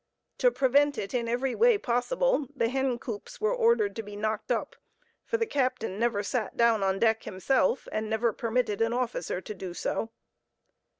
To prevent it in every way possible, the hen coops were ordered to be knocked up, for the captain never sat down oh deck himself, and never permitted an officer to do so.